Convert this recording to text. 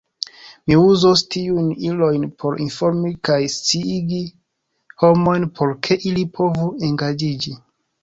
Mi uzos tiujn ilojn por informi kaj sciigi homojn por ke ili povu engaĝiĝi.